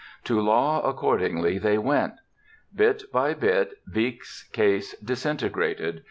To law, accordingly, they went. Bit by bit Wieck's case disintegrated.